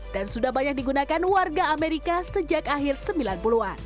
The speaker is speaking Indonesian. dan sudah banyak digunakan warga amerika sejak akhir sembilan puluh an